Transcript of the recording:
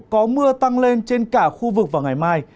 có mưa tăng lên trên cả khu vực vào ngày mai